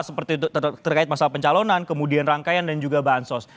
seperti terkait masalah pencalonan kemudian rangkaian dan juga bansos